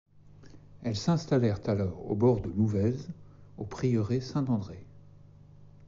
Elles s'installèrent alors au bord de l’Ouvèze, au prieuré Saint-André.